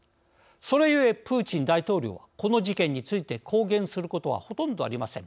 それゆえプーチン大統領はこの事件について公言することはほとんどありません。